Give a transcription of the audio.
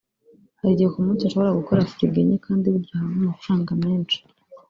Hari igihe ku munsi nshobora gukora firigo enye kandi burya habamo amafaranga menshi